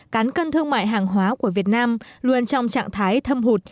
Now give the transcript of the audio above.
cán cân thương mại hàng hóa của việt nam luôn trong trạng thái thâm hụt